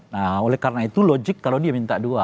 nah oleh karena itu logik kalau dia minta dua